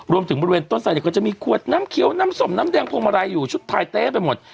รวมถึงบริเวณต้นไสยในคนจะมีกวดน้ำเขียวน้ำสมน้ำแดงพวงมาลัยชุดไทยเต้ไปหมด